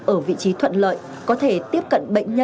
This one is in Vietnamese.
ở vị trí thuận lợi có thể tiếp cận bệnh nhân trong vòng ba phút